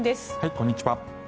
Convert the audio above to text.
こんにちは。